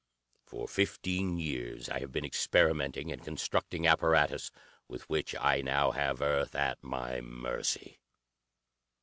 For fifteen years I have been experimenting and constructing apparatus, with which I now have Earth at my mercy.